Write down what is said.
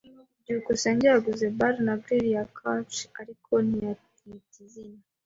byukusenge yaguze Bar na Grill ya Chuck, ariko ntiyayita izina.